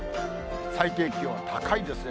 最低気温高いですね。